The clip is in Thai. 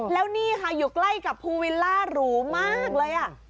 แล้วนี่ค่ะอยู่ใกล้กับภูวิลล่าหรูมากเลย